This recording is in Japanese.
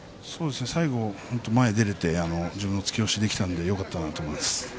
最後前に出れて突き押しできたのでよかったなと思います。